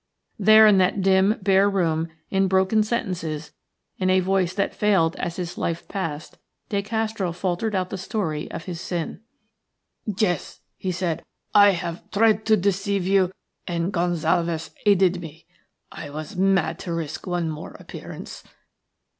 There in that dim, bare room, in broken sentences, in a voice that failed as his life passed, De Castro faltered out the story of his sin. "Yes," he said, "I have tried to deceive you, and Gonsalves aided me. I was mad to risk one more appearance.